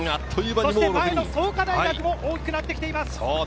前の創価大学も大きくなってきています。